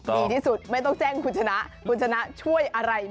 โอ้ย